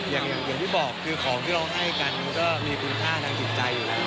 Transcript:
อย่างที่บอกคือของที่เราให้กันมันก็มีคุณค่าทางจิตใจอยู่แล้ว